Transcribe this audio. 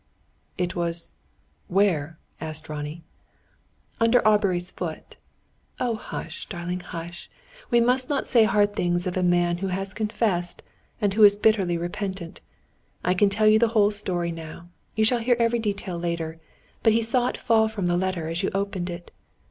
"It was where?" asked Ronnie. "Under Aubrey's foot.... Oh, hush, darling, hush! We must not say hard things of a man who has confessed, and who is bitterly repentant. I can't tell you the whole story now; you shall hear every detail later; but he saw it fall from the letter, as you opened it.